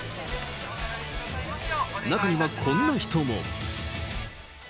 中にはこんな人も。